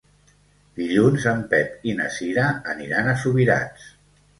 Dilluns en Pep i na Cira aniran a Subirats.